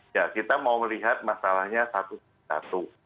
ya kita mau melihat masalahnya satu satu